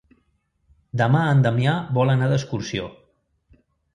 Demà en Damià vol anar d'excursió.